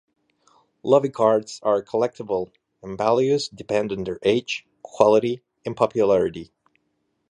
Lobby cards are collectible and values depend on their age, quality, and popularity.